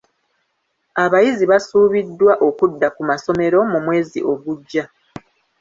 Abayizi basuubiziddwa okudda ku masomero mu mwezi ogujja.